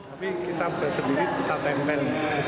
tapi kita bersebut itu tatang men